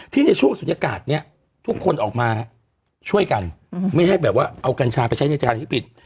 ในช่วงศูนยากาศเนี่ยทุกคนออกมาช่วยกันไม่ให้แบบว่าเอากัญชาไปใช้ในจานที่ผิด